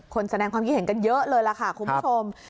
แสดงความคิดเห็นกันเยอะเลยล่ะค่ะคุณผู้ชม